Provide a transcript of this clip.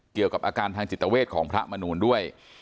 เกี่ยวกับอาการทางจิตเวทของพระมนูลด้วย